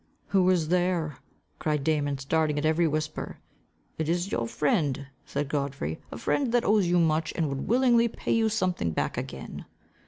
"Who is there?" cried Damon, starting at every whisper. "It is your friend," said Godfrey. "A friend that owes you much, and would willingly pay you something back again."